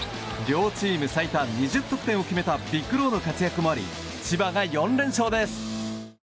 両チーム最多２０得点を決めたヴィック・ローの活躍もあり千葉が４連勝です。